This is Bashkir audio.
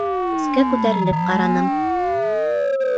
Өҫкә күтәрелеп ҡараным.